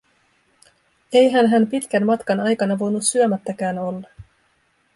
Eihän hän pitkän matkan aikana voinut syömättäkään olla.